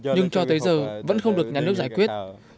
nhưng cho tới giờ vẫn không được nhà nước giải quyết